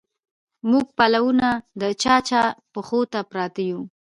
موږه پلونه د چا، چا پښو ته پراته يو